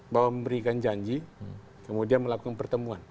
bahwa memberikan janji kemudian melakukan pertemuan